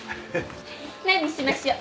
何にしましょう？